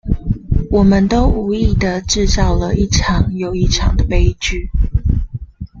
我們都無意的製造了一場又一場的悲劇